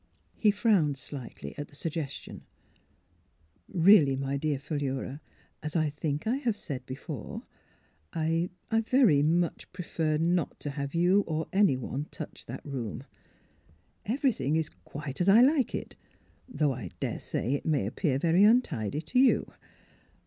He frowned slightly at the suggestion. " Eeally, my dear Philura, as I think I have said before, I — er — very much prefer not to have you, or anyone, touch that room. Everything is quite as I like it — though I dare say it may ap pear very untidy to you.